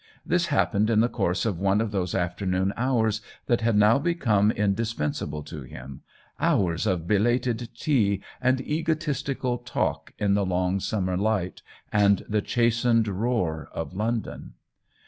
This happened in the course of one of those afternoon hours that had now become in dispensable to him — hours of belated tea and egotistical talk in the long summer light and the chastened roar of London.